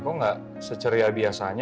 kok nggak seceriabian